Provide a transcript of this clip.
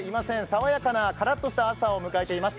さわやかなカラッとした朝を迎えています。